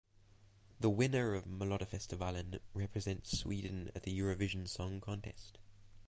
The winner of Melodifestivalen represents Sweden at the Eurovision Song Contest.